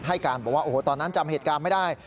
ให้การบอกว่าโอ้โหตอนนั้นจำเหตุการณ์ไม่ได้